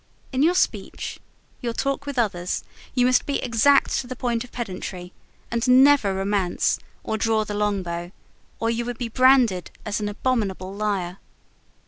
In your speech, your talk with others, you must be exact to the point of pedantry, and never romance or draw the long bow; or you would be branded as an abominable liar.